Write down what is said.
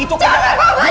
itu bukan salah bayu